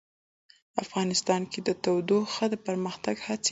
افغانستان کې د تودوخه د پرمختګ هڅې روانې دي.